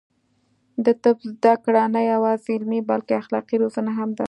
د طب زده کړه نه یوازې علمي، بلکې اخلاقي روزنه هم ده.